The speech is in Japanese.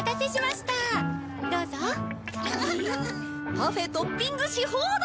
「パフェトッピングし放題」！